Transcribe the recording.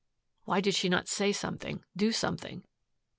Why did she not say something, do something?